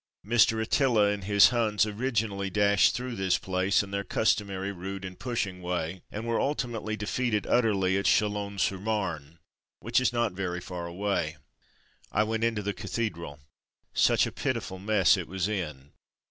Mr. Attila and his Huns originally dashed through this place, in their customary rude and pushing way, and were ultimately defeated utterly at Chalons sur Marne — ^which is not very far away. I went into the cathedral. Such a pitiful mess it was in!